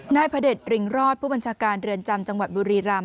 พระเด็จริงรอดผู้บัญชาการเรือนจำจังหวัดบุรีรำ